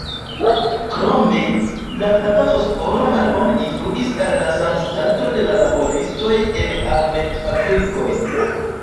Krome, la flava fosforo malbone influis al la sanstato de la laboristoj en alumetfabrikoj.